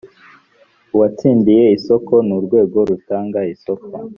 uwatsindiye isoko n urwego rutanga isoko